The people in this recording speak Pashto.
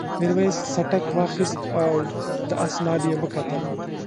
میرويس څټک واخیست او د آس نال یې وکتل.